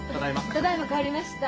ただいま帰りました。